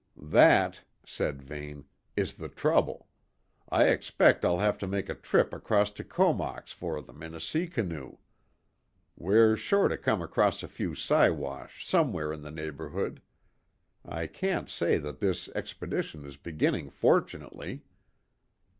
"That," said Vane, "is the trouble. I expect I'll have to make a trip across to Comox for them in a sea canoe. We're sure to come across a few Siwash somewhere in the neighbourhood. I can't say that this expedition is beginning fortunately."